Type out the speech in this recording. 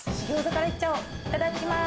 いただきます。